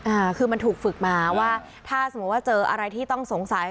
อ่าคือมันถูกฝึกมาว่าถ้าสมมุติว่าเจออะไรที่ต้องสงสัย